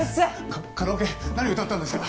カカラオケ何歌ったんですか？